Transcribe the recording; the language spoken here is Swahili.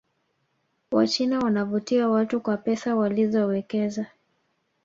wachina wanavutia watu kwa pesa walizowekeza